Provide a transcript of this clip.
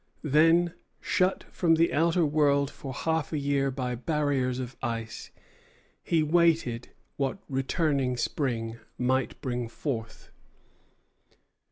Then, shut from the outer world for half a year by barriers of ice, he waited what returning spring might bright forth.